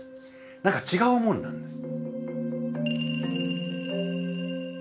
何か違うものなんです。